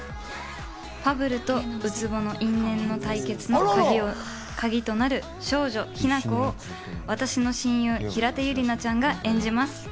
ファブルと宇津帆の因縁の対決のカギとなる少女・ヒナコを私の親友・平手友梨奈ちゃんが演じます。